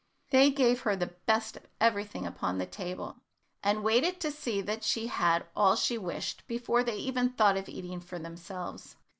They gave her the best of everything upon the table, and waited to see that she had all she wished before they even thought of eating for themselves.